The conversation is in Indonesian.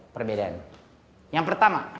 perbedaan yang pertama